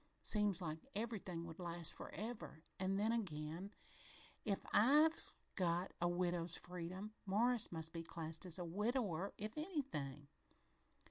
Seem like everything would last forever an' then again, if I've got a widow's freedom, Morris must be classed as a widower, if he's anything.